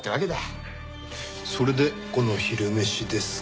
それでこの昼飯ですか。